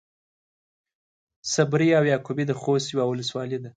صبري او يعقوبي د خوست يوۀ ولسوالي ده.